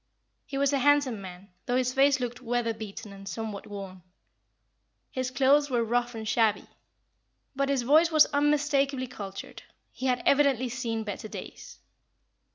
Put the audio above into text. He was a handsome man, though his face looked weather beaten and somewhat worn. His clothes were rough and shabby, but his voice was unmistakably cultured; he had evidently seen better days.